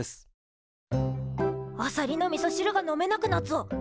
あさりのみそしるが飲めなくなっぞ！